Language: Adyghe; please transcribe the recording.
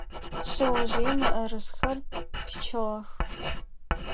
Шъэожъыем мыӏэрысэхэр пичыгъэх.